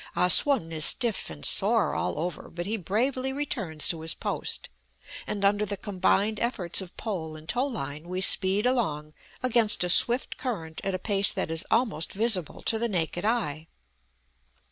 Ah Sum is stiff and sore all over, but he bravely returns to his post, and under the combined efforts of pole and tow line we speed along against a swift current at a pace that is almost visible to the naked eye.